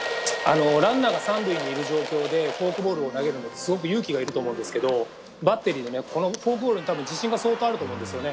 ランナーが３塁にいる状況でフォークボールを投げるのは勇気がいると思うんですけどバッテリーはフォークボールに自信があると思うんですね。